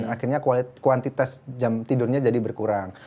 dan akhirnya kuantitas jam tidurnya jadi berkurang